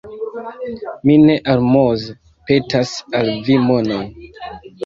Mi ne almoze petas al vi monon!